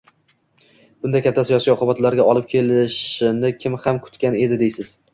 bunday katta siyosiy oqibatlarga olib kelishini kim ham kutgan edi deysiz!?